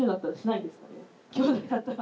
きょうだいだったら。